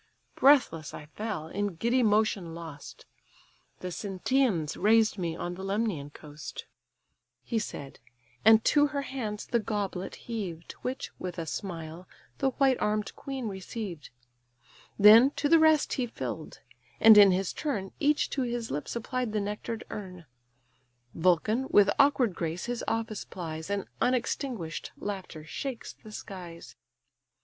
Breathless I fell, in giddy motion lost; The Sinthians raised me on the Lemnian coast; He said, and to her hands the goblet heaved, Which, with a smile, the white arm'd queen received Then, to the rest he fill'd; and in his turn, Each to his lips applied the nectar'd urn, Vulcan with awkward grace his office plies, And unextinguish'd laughter shakes the skies.